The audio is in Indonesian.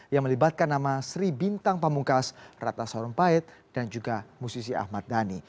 yang melibatkan nama sri bintang pamungkas ratna sarumpait dan juga musisi ahmad dhani